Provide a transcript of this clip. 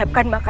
itu sudah tiada